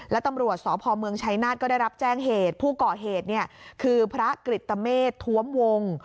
และตำรวจสพเมืองชัยนาธก็ได้รับแจ้งเหตุผู้ก่อเหตุเนี่ยคือพระกริตเมษท้วมวง